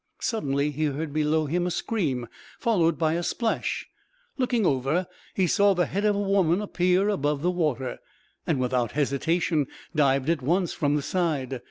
Suddenly he heard below him a scream, followed by a splash; looking over, he saw the head of a woman appear above the water, and without hesitation dived at once from the side.